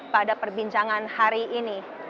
pada perbincangan hari ini